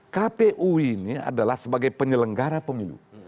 kpu ini adalah sebagai penyelenggara pemilu